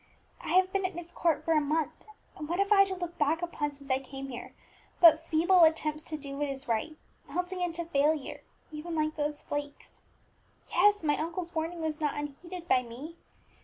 "I have been at Myst Court for a month, and what have I to look back upon since I came here but feeble attempts to do what is right, melting into failure, even like those flakes? Yes, my uncle's warning was not unneeded by me.